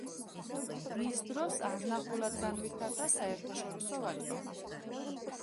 მის დროს არნახულად განვითარდა საერთაშორისო ვაჭრობა.